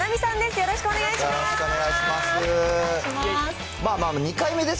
よろしくお願いします。